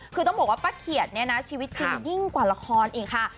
คือต้องบอกว่าป้าเขียดเนี่ยนะชีวิตจริงยิ่งกว่าละครอีกค่ะ